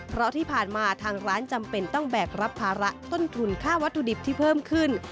เพราะที่ผ่านมาทางร้านจำเป็นต้องแบกรับภาระต้นทุนค่าวัตถุดิบที่เพิ่มขึ้น